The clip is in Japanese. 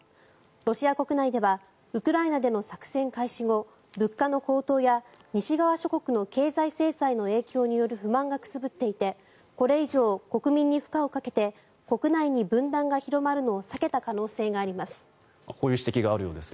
ロシア国内ではウクライナでの作戦開始後物価の高騰や西側諸国の経済制裁による不満が高まっていてこれ以上国民に負荷をかけて国内に分断が広まるのを避けた可能性があります。